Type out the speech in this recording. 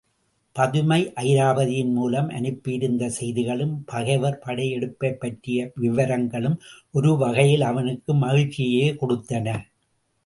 பதுமை அயிராபதியின் மூலம் அனுப்பியிருந்த செய்திகளும், பகைவர் படையெடுப்பைப் பற்றிய விவரங்களும் ஒரு வகையில் அவனுக்கு மகிழ்ச்சியையே கொடுத்தன.